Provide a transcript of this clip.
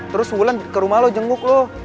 terus sebulan ke rumah lo jenguk lo